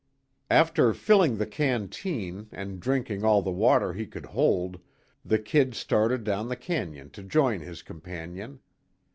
After filling the canteen, and drinking all the water he could hold, the "Kid" started down the canyon to join his companion.